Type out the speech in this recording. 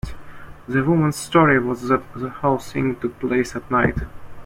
The woman's story was that the whole thing took place at night